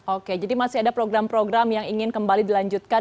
oke jadi masih ada program program yang ingin kembali dilanjutkan